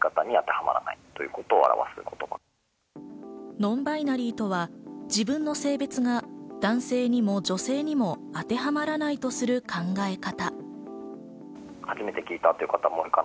ノンバイナリーとは自分の性別が男性にも女性にも当てはまらないとする考え方。